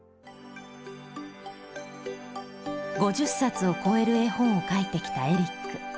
５０冊を超える絵本を描いてきたエリック。